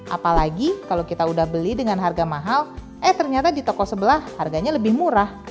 apalagi kalau kita udah beli dengan harga mahal eh ternyata di toko sebelah harganya lebih murah